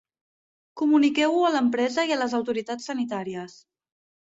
Comuniqueu-ho a l'empresa i a les autoritats sanitàries.